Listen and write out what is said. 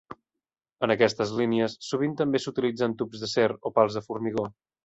En aquestes línies sovint també s'utilitzen tubs d'acer o pals de formigó.